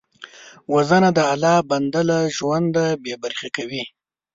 وژنه د الله بنده له ژونده بېبرخې کوي